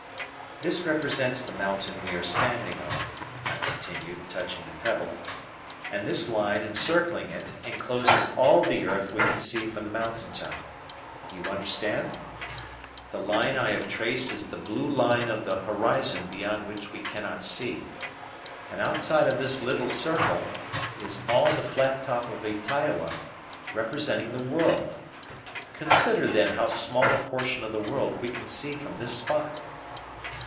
"This represents the mountain we are standing on," I continued, touching the pebble; "and this line encircling it encloses all of the earth we can see from the mountain top. Do you understand? the line I have traced is the blue line of the horizon beyond which we cannot see. And outside of this little circle is all the flat top of Ytaioa representing the world. Consider, then, how small a portion of the world we can see from this spot!"